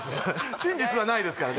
真実はないですからね